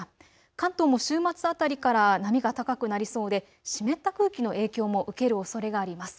関東も週末辺りからは波が高くなりそうで湿った空気の影響も受けるおそれがあります。